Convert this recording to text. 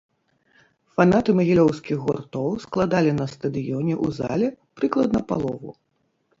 Фанаты магілёўскіх гуртоў складалі на стадыёне у зале прыкладна палову.